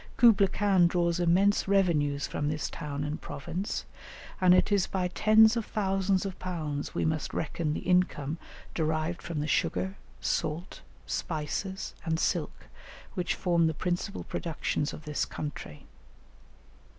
Kublaï Khan draws immense revenues from this town and province, and it is by tens of thousands of pounds we must reckon the income derived from the sugar, salt, spices, and silk, which form the principal productions of this country.